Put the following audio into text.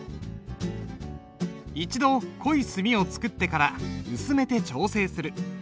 一度濃い墨を作ってから薄めて調整する。